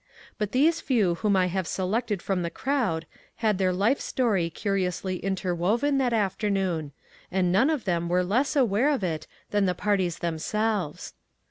. But these few whom I have selected from the crowd had their life story curiously interwoven that afternoon, and none of them were less aware of it than the parties themselves.